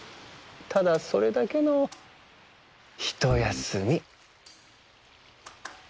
ただそれだけのひとやすみ。